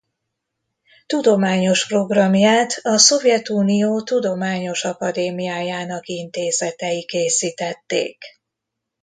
Tudományos programját a Szovjetunió Tudományos Akadémiájának Intézetei készítették.